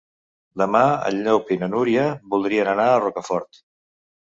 Demà en Llop i na Núria voldrien anar a Rocafort.